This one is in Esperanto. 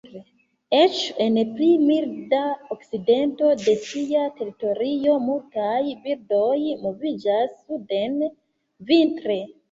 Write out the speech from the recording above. Eĉ en pli milda okcidento de sia teritorio, multaj birdoj moviĝas suden vintre.